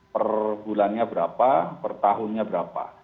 perbulannya berapa pertahunnya berapa